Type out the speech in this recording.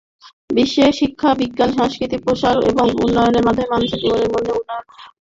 বিশ্বে শিক্ষা, বিজ্ঞান ও সংস্কৃতির প্রসার এবং উন্নয়নের মাধ্যমে মানুষের জীবন মানের উন্নয়ন ঘটানো এই সংস্থার কার্যক্রম।